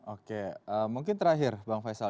oke mungkin terakhir bang faisal